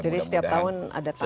jadi setiap tahun ada tambahan